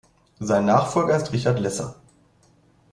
Sein Nachfolger ist Richard Lesser.